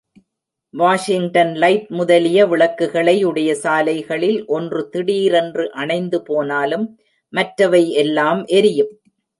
Washington light முதலிய விளக்குகளை உடைய சாலைகளில், ஒன்று திடீரென்று அணைந்து போனாலும் மற்றவை எல்லாம் எரியும்.